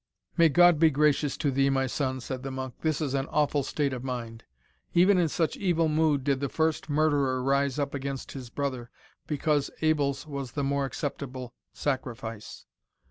"May God be gracious to thee, my son!" said the monk; "this is an awful state of mind. Even in such evil mood did the first murderer rise up against his brother, because Abel's was the more acceptable sacrifice."